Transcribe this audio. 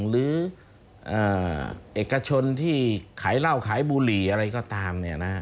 หรือเอกชนที่ขายเหล้าขายบุหรี่อะไรก็ตาม